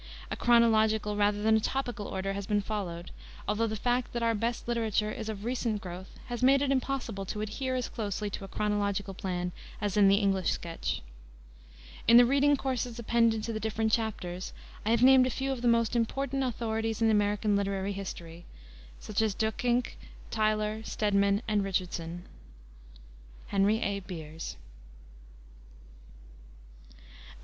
A chronological rather than a topical order has been followed, although the fact that our best literature is of recent growth has made it impossible to adhere as closely to a chronological plan as in the English sketch. In the reading courses appended to the different chapters I have named a few of the most important authorities in American literary history, such as Duyckinck, Tyler, Stedman, and Richardson. HENRY A. BEERS. CONTENTS.